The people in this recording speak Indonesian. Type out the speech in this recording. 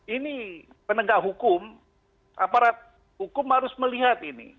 ini penegak hukum aparat hukum harus melihat ini